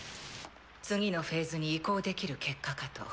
次のフェーズに移行できる結果かと。